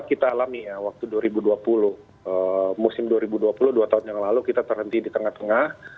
karena kita alami ya waktu dua ribu dua puluh musim dua ribu dua puluh dua tahun yang lalu kita terhenti di tengah tengah